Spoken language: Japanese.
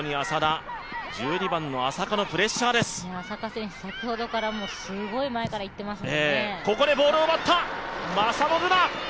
浅香選手、先ほどからすごい前からいってますよね。